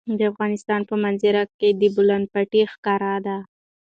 د افغانستان په منظره کې د بولان پټي ښکاره ده.